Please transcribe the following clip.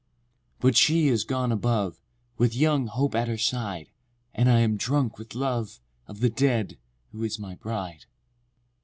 VI. But she is gone above, With young Hope at her side, And I am drunk with love Of the dead, who is my bride.